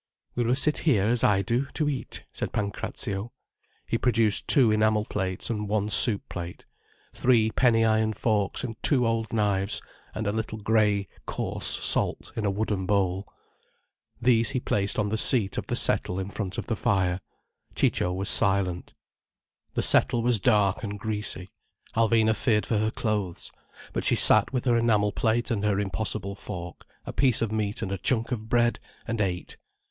"We will sit here, as I do, to eat," said Pancrazio. He produced two enamel plates and one soup plate, three penny iron forks and two old knives, and a little grey, coarse salt in a wooden bowl. These he placed on the seat of the settle in front of the fire. Ciccio was silent. The settle was dark and greasy. Alvina feared for her clothes. But she sat with her enamel plate and her impossible fork, a piece of meat and a chunk of bread, and ate.